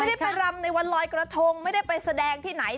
ไม่ได้ไปรำในวันลอยกระทงไม่ได้ไปแสดงที่ไหน